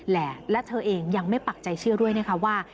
และเธอเองยังไม่ปักใจเชื่อด้วยว่า